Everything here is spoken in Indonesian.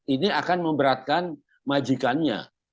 ini akan memberatkan majikannya